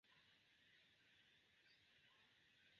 Fine la Falsa Kelonio regajnis la voĉpovon.